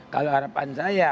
kalau harapan saya